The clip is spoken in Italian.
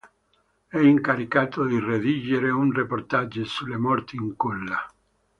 È incaricato di redigere un reportage sulle morti in culla.